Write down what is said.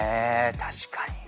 確かに。